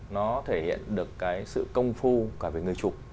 nó thể hiện được cái sự công phu cả về người chụp